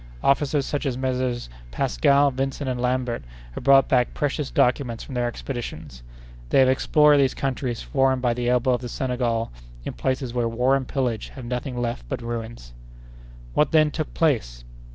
Officers such as Messrs. Pascal, Vincent, and Lambert, have brought back precious documents from their expeditions. They have explored these countries formed by the elbow of the Senegal in places where war and pillage have left nothing but ruins." "What, then, took place?"